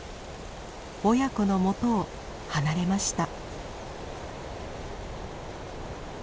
親子のもとを離れました。